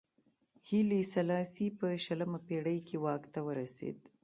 هیلي سلاسي په شلمه پېړۍ کې واک ته ورسېد.